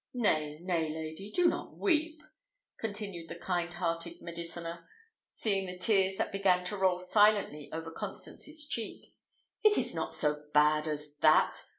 Nay, nay, lady, do not weep," continued the kind hearted mediciner, seeing the tears that began to roll silently over Constance's cheek; "it is not so bad as that.